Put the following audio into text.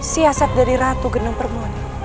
siasat dari ratu genung permoni